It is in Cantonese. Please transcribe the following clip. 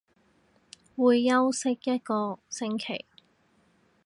會休息一個星期